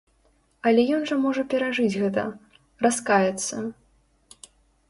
Але ён жа можа перажыць гэта, раскаяцца.